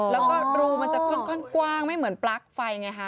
แล้วก็รูมันจะค่อนข้างกว้างไม่เหมือนปลั๊กไฟไงฮะ